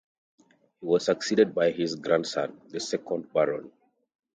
He was succeeded by his grandson, the second Baron.